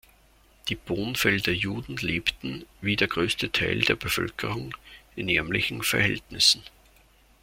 Die Bonfelder Juden lebten, wie der größte Teil der Bevölkerung, in ärmlichen Verhältnissen.